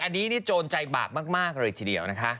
อันนี้โจรใจบาปมากเลยทีเดียว